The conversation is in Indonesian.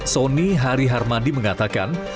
sony hari harmadi mengatakan